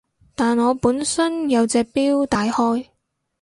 但我本身有隻錶戴開